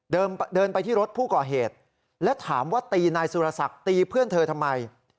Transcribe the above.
เดินไปที่รถผู้ก่อเหตุและถามว่าตีนายสุรศักดิ์ตีเพื่อนเธอทำไม